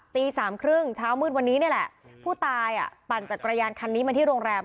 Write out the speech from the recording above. ตีสามครึ่งเช้ามืดวันนี้นี่แหละผู้ตายอ่ะปั่นจักรยานคันนี้มาที่โรงแรม